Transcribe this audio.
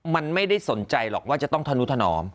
มันไม่ได้สนใจหรอกว่าจะต้องธนุถนอม